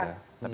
jadi tidak ada